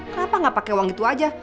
kenapa gak pake uang itu aja